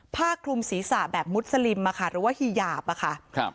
ผ้าคลุมศีรษะแบบมุสลิมหรือว่าฮีหยาบอะค่ะครับ